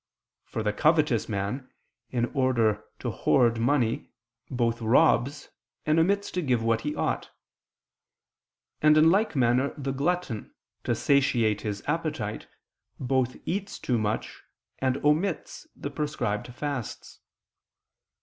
For the covetous man, in order to hoard money, both robs, and omits to give what he ought, and in like manner, the glutton, to satiate his appetite, both eats too much and omits the prescribed fasts.